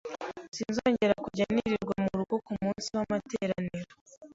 sinzongera kujya nirirwa murugo kumunsi w’amateraniro.